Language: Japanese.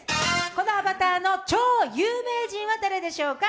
このアバターの超有名人は誰でしょうか？